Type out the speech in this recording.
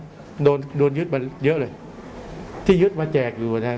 ก็โดนโดนยึดมาเยอะเลยที่ยึดมาแจกอยู่นะครับ